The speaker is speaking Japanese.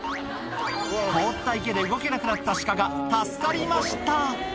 凍った池で動けなくなったシカが助かりました。